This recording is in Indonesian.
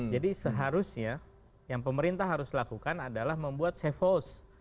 seharusnya yang pemerintah harus lakukan adalah membuat safe house